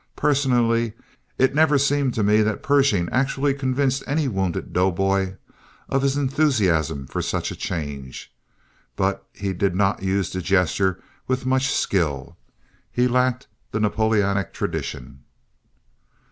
Personally, it never seemed to me that Pershing actually convinced any wounded doughboy of his enthusiasm for such a change, but he did not use the gesture with much skill. He lacked the Napoleonic tradition.